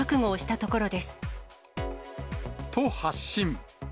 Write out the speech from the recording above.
と、発信。